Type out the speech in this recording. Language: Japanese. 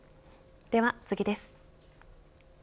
では次です。